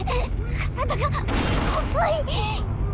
体が重い。